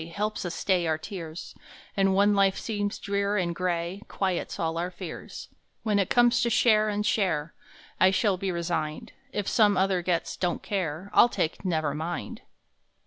Helps us stay our tears, And when life seems drear and gray, Quiets all our fears. When it comes to share and share, I shall be resigned If some other gets " Don t Care " I ll take " Never Mind